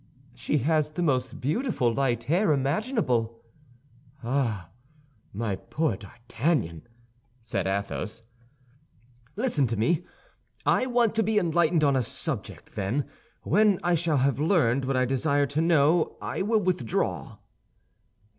"She has the most beautiful light hair imaginable!" "Ah, my poor D'Artagnan!" said Athos. "Listen to me! I want to be enlightened on a subject; then, when I shall have learned what I desire to know, I will withdraw."